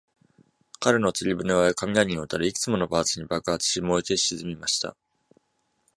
彼の釣船は雷に撃たれ、いくつものパーツに爆発し、燃えて沈みました。